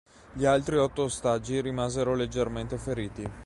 Gli altri otto ostaggi rimasero leggermente feriti.